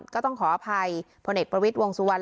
ก็ต้องขออภัยพลเอกประวิทย์วงสุวรรณ